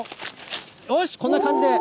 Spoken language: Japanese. よし、こんな感じで。